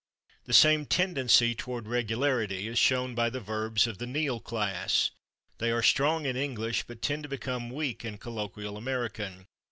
The same tendency toward regularity is shown by the verbs of the /kneel/ class. They are strong in English, but tend to become weak in colloquial American.